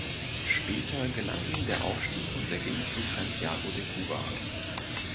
Später gelang ihm der Aufstieg und er ging zu Santiago de Cuba.